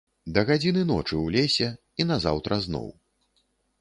Да гадзіны ночы ў лесе, і назаўтра зноў.